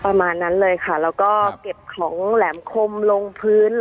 ประมาณนั้นเลยค่ะแล้วก็เก็บของแหลมคมลงพื้น